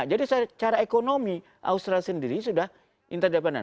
nah jadi secara ekonomi australia sendiri sudah interdependen